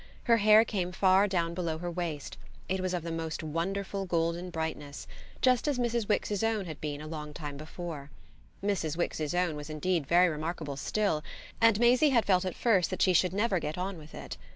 Her hair came down far below her waist it was of the most wonderful golden brightness, just as Mrs. Wix's own had been a long time before. Mrs. Wix's own was indeed very remarkable still, and Maisie had felt at first that she should never get on with it.